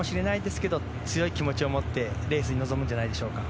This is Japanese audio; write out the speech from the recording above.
けど強い気持ちを持ってレースに臨むんじゃないでしょうか。